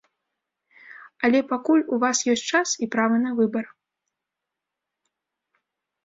Але пакуль у вас ёсць час і права на выбар.